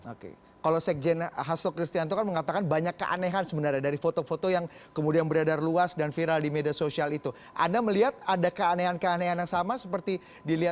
oke kalau sekjen hasso christian itu kan mengatakan banyak keanehan sebenarnya dari foto foto yang kemudian berada luas dan viral di media sosial itu anda melihat ada keanehan keanehan yang sama seperti di dalam video ini ya